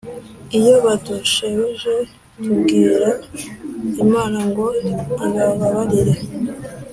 iyo badushebeje tubwira imana ngo ibaba barire.